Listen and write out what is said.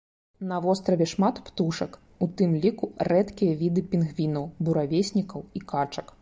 На востраве шмат птушак, у тым ліку рэдкія віды пінгвінаў, буравеснікаў і качак.